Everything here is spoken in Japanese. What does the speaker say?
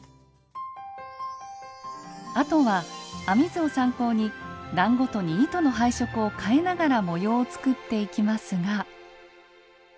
あとは編み図を参考に段ごとに糸の配色をかえながら模様を作っていきますが。